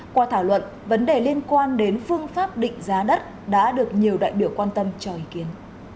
qua thảo luận vấn đề liên quan đến phương pháp định giá đất đã được nhiều đại biểu quan tâm cho ý kiến